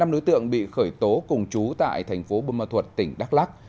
năm đối tượng bị khởi tố cùng chú tại thành phố bâm ma thuật tỉnh đắk lắc